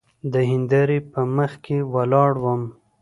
د هندارې په مخکې ولاړ وم.